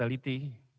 yang kami hormati